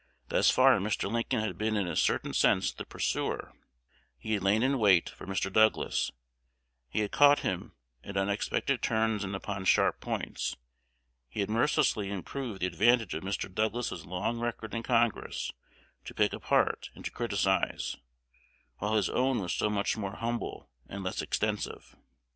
Thus far Mr. Lincoln had been in a certain sense the pursuer: he had lain in wait for Mr. Douglas; he had caught him at unexpected turns and upon sharp points; he had mercilessly improved the advantage of Mr. Douglas's long record in Congress to pick apart and to criticise, while his own was so much more humble and less extensive.